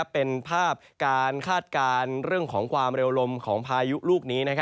เป็นภาพการคาดการณ์เรื่องของความเร็วลมของพายุลูกนี้